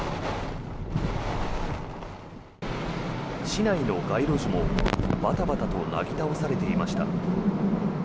市内の街路樹もバタバタとなぎ倒されていました。